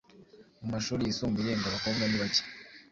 Mu mashuri yisumbuye ngo abakobwa nibake